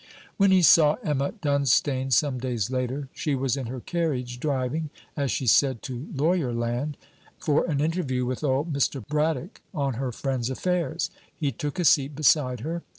When he saw Emma Dunstane, some days later, she was in her carriage driving, as she said, to Lawyerland, for an interview with old Mr. Braddock, on her friend's affairs. He took a seat beside her.